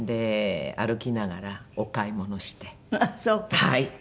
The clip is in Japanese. はい。